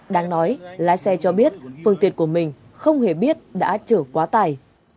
đáng nói lái xe cho biết phương tiện của mình không hề biết đã chở quá tải